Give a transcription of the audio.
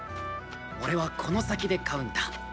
俺はこの先で買うんだ。